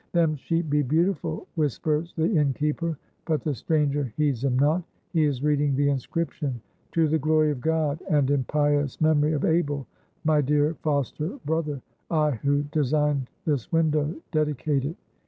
"Them sheep be beautiful," whispers the innkeeper; but the stranger heeds him not. He is reading the inscription:— To the Glory of GOD, And in pious memory of Abel, my dear foster brother: I, who designed this window, Dedicate it.